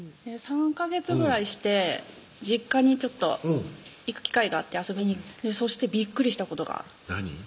３ヵ月ぐらいして実家に行く機会があって遊びにそしてびっくりしたことが何？